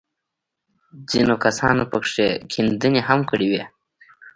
ځينو کسانو پکښې کيندنې هم کړې وې.